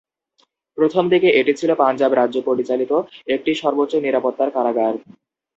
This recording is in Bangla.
প্রথম দিকে এটি ছিল পাঞ্জাব রাজ্য পরিচালিত একটি সর্বোচ্চ নিরাপত্তার কারাগার।